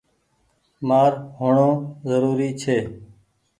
مآر هوڻو زوري ڇي۔